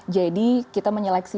jadi kita menyeleksi